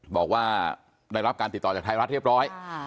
บอกว่าได้รับการติดต่อจากไทยรัฐเรียบร้อย